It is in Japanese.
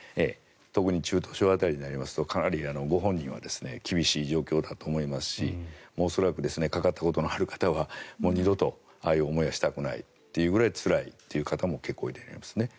特に中等症辺りになりますとかなりご本人は厳しい状況だと思いますし恐らくかかったことのある方は二度とああいう思いはしたくないというぐらいつらいという方も結構おられます。